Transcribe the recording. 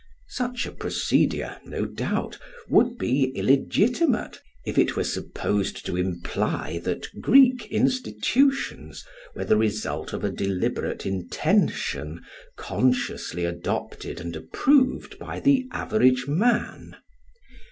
Such a procedure, no doubt, would be illegitimate if it were supposed to imply that Greek institutions were the result of a deliberate intention consciously adopted and approved by the average man.